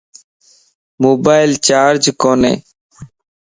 موبائلم چارج ڪوني